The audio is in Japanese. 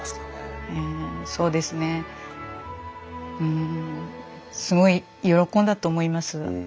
そうですねうんすごい喜んだと思います。